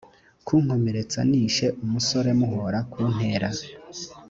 kunkomeretsa nishe umusore muhora kuntera